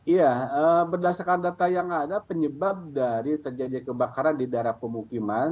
iya berdasarkan data yang ada penyebab dari terjadi kebakaran di daerah pemukiman